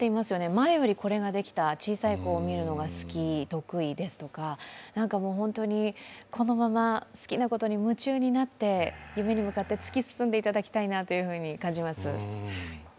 前よりこれができた、小さい子を見るのが好き、得意ですとか、このまま好きなことに夢中になって夢に向かって突き進んでもらいたいなと感じます。